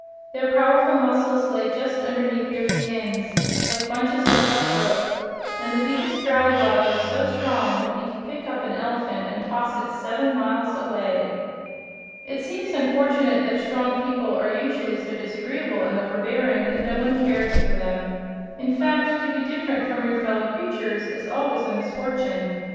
Their powerful muscles lay just underneath their skins, like bunches of tough rope, and the weakest Growleywog was so strong that he could pick up an elephant and toss it seven miles away. It seems unfortunate that strong people are usually so disagreeable and overbearing that no one cares for them. In fact, to be different from your fellow creatures is always a misfortune.